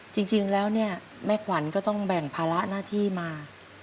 จริงแล้วเนี่ยแม่ขวัญก็ต้องแบ่งภาระหน้าที่มา